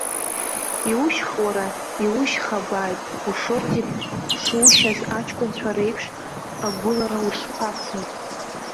Иушьх уара, иушьхабааит, ушортик шушьаз, аҷкәынцәа реиԥш агәылара ушԥацеи!